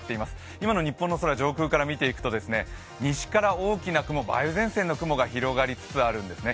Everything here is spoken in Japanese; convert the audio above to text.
今の日本の空上空から見ていくと西から大きな雲、梅雨前線の雲が広がりつつあるんですね。